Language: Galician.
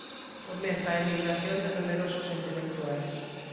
Comeza a emigración de numerosos intelectuais.